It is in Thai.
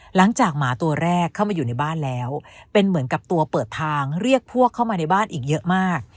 หมาตัวแรกเข้ามาอยู่ในบ้านแล้วเป็นเหมือนกับตัวเปิดทางเรียกพวกเข้ามาในบ้านอีกเยอะมาก